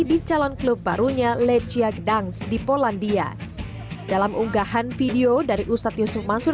di calon klub barunya leciak dance di polandia dalam unggahan video dari ustadz yusuf mansur